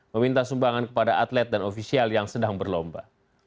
meminta sumbangan kepada atlet dan ofisial yang sedang berlomba